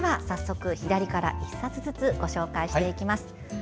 早速、左から１冊ずつご紹介していきます。